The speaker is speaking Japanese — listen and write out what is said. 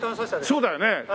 そうだよね。